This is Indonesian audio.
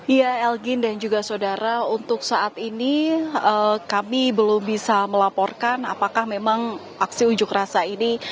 ya elgin dan juga saudara untuk saat ini kami belum bisa melaporkan apakah memang aksi unjuk rasa ini